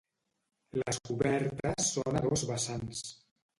Les cobertes són a dos vessants.